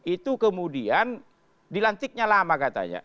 itu kemudian dilantiknya lama katanya